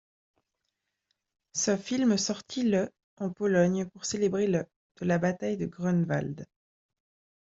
Ce film sortit le en Pologne pour célébrer le de la Bataille de Grunwald.